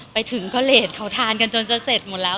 ไปถึงก็เลสเขาทานกันจนจะเสร็จหมดแล้ว